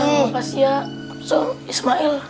makasih ya sun ismail